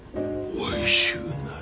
おいしゅうなれ。